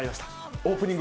オープニング